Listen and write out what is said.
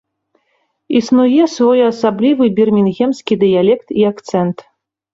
Існуе своеасаблівы бірмінгемскі дыялект і акцэнт.